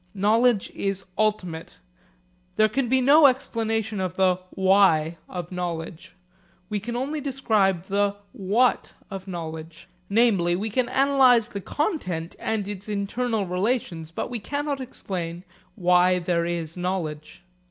Knowledge is ultimate. There can be no explanation of the 'why' of knowledge; we can only describe the 'what' of knowledge. Namely we can analyse the content and its internal relations, but we cannot explain why there is knowledge.